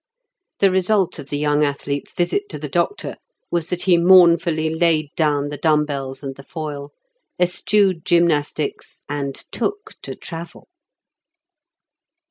The result of the young athlete's visit to the doctor was that he mournfully laid down the dumb bells and the foil, eschewed gymnastics, and took to travel.